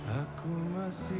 aku masih ada disini